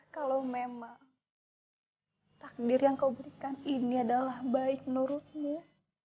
kalau memang takdir yang kau berikan ini adalah baik menurutmu